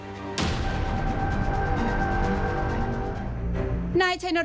นายชัยนรับราชินทรีย์นะครับ